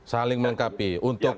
saling melengkapi untuk